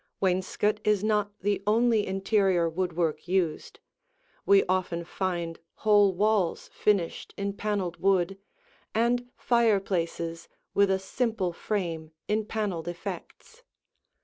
Wainscot is not the only interior woodwork used; we often find whole walls finished in paneled wood, and fireplaces with a simple frame in paneled effects.